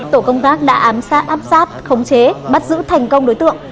tổ công tác đã ám sát áp sát khống chế bắt giữ thành công đối tượng